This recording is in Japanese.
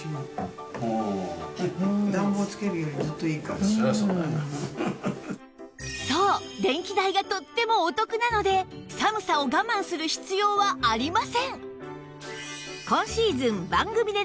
そしてそう電気代がとってもお得なので寒さを我慢する必要はありません！